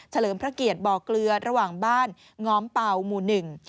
เลิมพระเกียรติบ่อเกลือระหว่างบ้านง้อมเป่าหมู่หนึ่ง